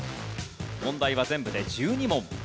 問題は全部で１２問。